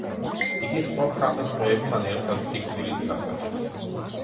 იგი სხვა ფრანგ ტყვეებთან ერთად სიკვდილით დასაჯეს.